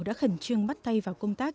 đã khẩn trương bắt tay vào công tác